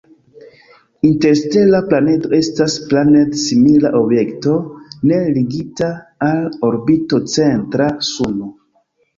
Interstela planedo estas planed-simila objekto ne ligita al orbito-centra suno.